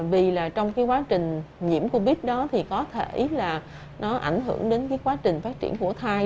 vì là trong cái quá trình nhiễm covid đó thì có thể là nó ảnh hưởng đến cái quá trình phát triển của thai